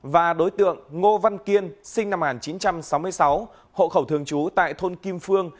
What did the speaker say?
và đối tượng ngô văn kiên sinh năm một nghìn chín trăm sáu mươi sáu hộ khẩu thường trú tại thôn kim phương